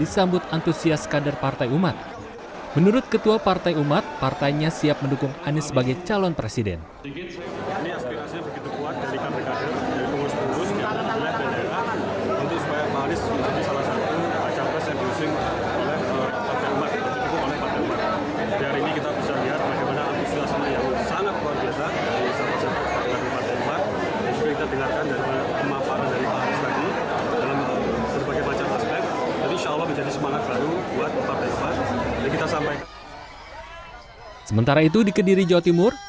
sementara itu di kediri jawa timur